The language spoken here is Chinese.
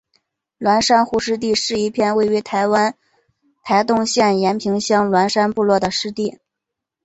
鸾山湖湿地是一片位于台湾台东县延平乡鸾山部落的湿地。